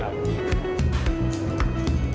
หอมไหม